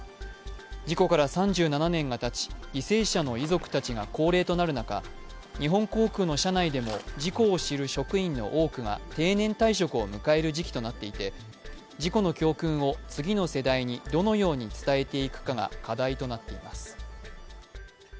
事故から３７年がたち、犠牲者の遺族たちが高齢となる中、日本航空の社内でも事故を知る職員の多くが定年退職を迎える時期となっていて事故の教訓を次の世代にどのように伝えて行くかが課題となっています。